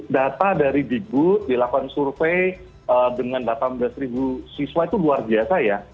data dari digut dilakukan survei dengan delapan belas siswa itu luar biasa ya